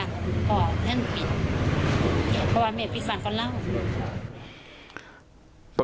ความเห็นภิกษาของเรา